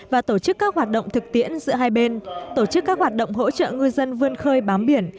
và tổ chức các hoạt động thực tiễn giữa hai bên tổ chức các hoạt động hỗ trợ ngư dân vươn khơi bám biển